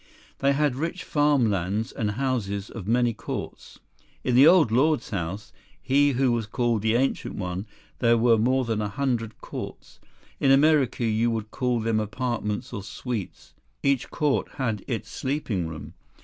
They had rich farm lands and houses of many courts. In the Old Lord's house, he who was called the Ancient One, there were more than a hundred courts. In America you would call them apartments or suites. Each court had its sleeping room.